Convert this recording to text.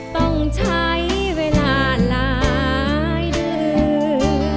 ต้องใช้เวลาหลายเดือน